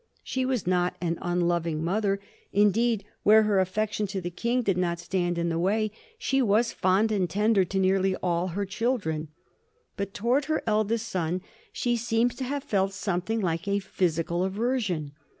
She was not an unloving mother ; indeed, where her affec tion to the King did not stand in the way, she was fond and tender to nearly all her children. But towards her eldest son she seems to have felt something like a phys ical aversion.